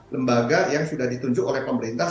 lembaga yang sudah ditunjuk oleh pemerintah